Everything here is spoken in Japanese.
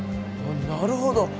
なるほど。